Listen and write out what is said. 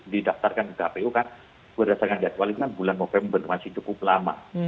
didaftarkan ke kpu kan berdasarkan jadwal itu kan bulan november masih cukup lama